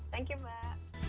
thank you mbak